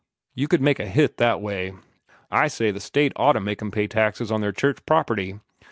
You could make a hit that way. I say the State ought to make 'em pay taxes on their church property.